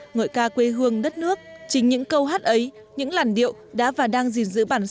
ngợi ca quê hương đất nước chính những câu hát ấy những làn điệu đã và đang gìn giữ bản sắc